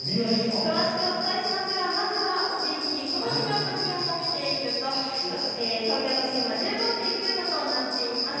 詳しくお伝えしますが、まずはお天気、この時間の気温を見ていくと東京都心は１５．９度となっています。